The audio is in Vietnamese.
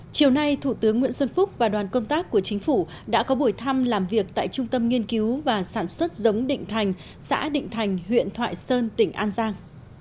chiều nay thủ tướng nguyễn xuân phúc và đoàn công tác của chính phủ đã có buổi thăm làm việc tại trung tâm nghiên cứu và sản xuất giống định thành xã định thành huyện thoại sơn tỉnh an giang